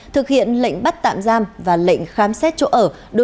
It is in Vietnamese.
thực hiện lệnh bắt tạm giam và lệnh khám xét chỗ ở